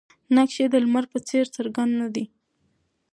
نقش یې د لمر په څېر څرګند نه دی.